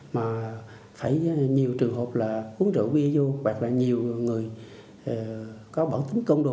mà phải nhiều trường hợp là uống rượu bia vô hoặc là nhiều người có bản tính công đồ